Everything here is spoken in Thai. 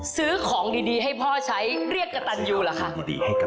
ซื้อของดีให้พ่อใช้เรียกกระตันยูเหรอคะ